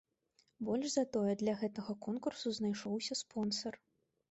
Больш за тое, для гэтага конкурсу знайшоўся спонсар.